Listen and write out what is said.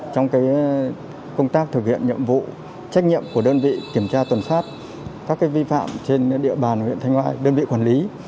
trong công tác thực hiện nhiệm vụ trách nhiệm của đơn vị kiểm tra tuần sát các vi phạm trên địa bàn huyện thanh ngại đơn vị quản lý